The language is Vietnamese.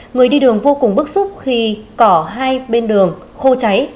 người đi đường vô cùng bức xúc khi cỏ hai bên đường khô cháy